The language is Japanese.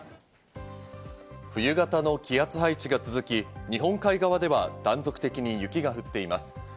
冬型の気圧配置が続き、日本海側では断続的に雪が降っています。